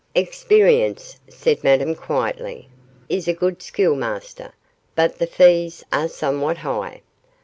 'Experience,' said Madame, quietly, 'is a good schoolmaster, but the fees are somewhat high.